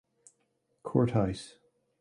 Courthouse.